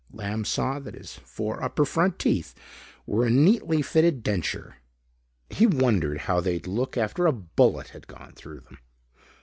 Lamb saw that his four upper front teeth were a neatly fitted denture. He wondered how they'd look after a bullet had gone through them.